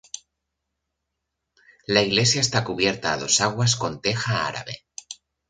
La iglesia está cubierta a dos aguas con teja árabe.